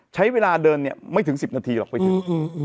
ใช้เวลาเดินเนี้ยไม่ถึงสิบนาทีหรอกไปถึงอืมอืม